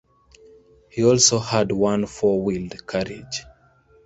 He also had one four wheeled carriage.